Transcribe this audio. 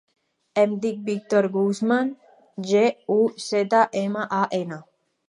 Em dic Víctor Guzman: ge, u, zeta, ema, a, ena.